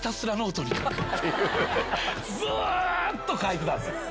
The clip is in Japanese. ずっと書いてたんすよ。